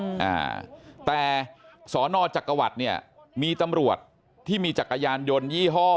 อ่าแต่สอนอจักรวรรดิเนี่ยมีตำรวจที่มีจักรยานยนต์ยี่ห้อ